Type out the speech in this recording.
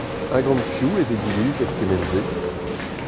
Ha gant piv e vez divizet kement-se ?